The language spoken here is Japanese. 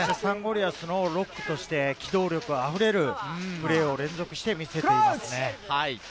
リアスのロックとして機動力あふれるプレーを連続して見せていますね。